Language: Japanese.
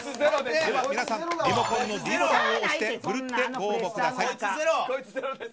では皆さんリモコンのｄボタンを押してふるってご応募ください。